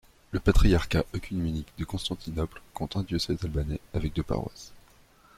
Le Patriarcat œcuménique de Constantinople compte un diocèse albanais avec deux paroisses.